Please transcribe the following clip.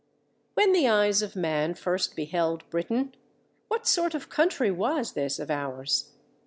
When the eyes of man first beheld Britain, what sort of country was this of ours?